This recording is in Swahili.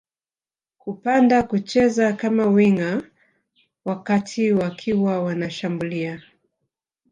kupanda kucheza kama winga wakati wakiwa wanashambulia